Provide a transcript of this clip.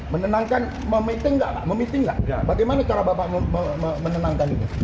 menenangkan memiting gak pak bagaimana cara bapak menenangkan ini